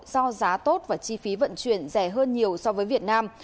do giá tốt và chi phí vận chuyển rẻ hơn nhiều so với việt nam